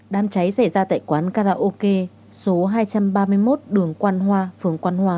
đám cháy xảy ra tại quán karaoke số hai trăm ba mươi một đường quang hoa phường quang hoa